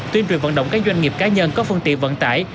tuyên truyền vận động các doanh nghiệp cá nhân có phương tiện vận tải